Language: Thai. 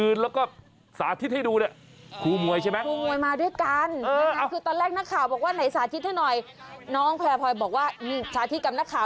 นางแพร่พลอยบอกว่าสาธิตกับนักข่าว